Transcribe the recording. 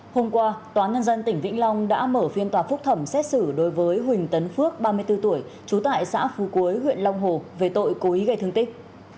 hôm qua tòa nhân dân tỉnh vĩnh long đã mở phiên tòa phúc thẩm xét xử đối với huỳnh tấn phước ba mươi bốn tuổi trú tại xã phú quế huyện long hồ về tội cố ý gây thương tích